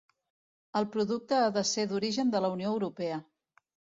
El producte ha de ser d'origen de la Unió Europea.